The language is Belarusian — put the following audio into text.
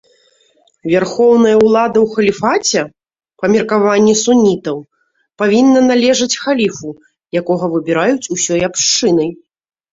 Вярхоўная ўлада ў халіфаце, па меркаванні сунітаў, павінна належаць халіфу, якога выбіраюць ўсёй абшчынай.